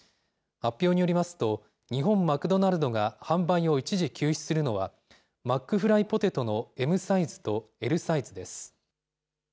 発表によりますと、日本マクドナルドが販売を一時休止するのは、マックフライポテトのＭサイズとＬサイズです。